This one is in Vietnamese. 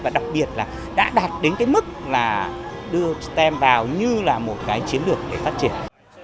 và đặc biệt là đã đạt đến mức đưa stem vào như là một chiến lược để phát triển